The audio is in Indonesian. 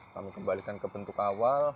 kami kembalikan ke bentuk awal